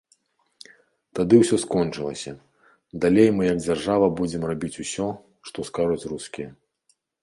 Тады ўсё скончылася, далей мы як дзяржава будзем рабіць усё, што скажуць рускія.